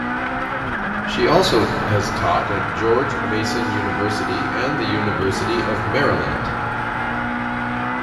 She also has taught at George Mason University and the University of Maryland.